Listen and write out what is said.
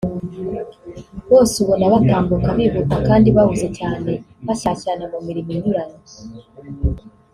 bose ubona batambuka bihuta kandi bahuze cyane bashyashyana mu mirimo inyuranye